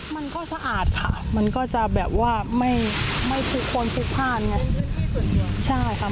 มันก็สะอาดค่ะมันก็จะแบบว่าไม่มีคนพลุกภาษณ์